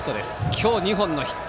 今日２本のヒット。